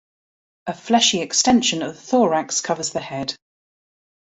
A fleshy extension of the thorax covers the head.